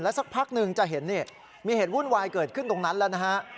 สักพักหนึ่งจะเห็นนี่มีเหตุวุ่นวายเกิดขึ้นตรงนั้นแล้วนะฮะ